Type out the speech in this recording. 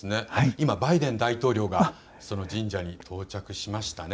今、バイデン大統領がその神社に到着しましたね。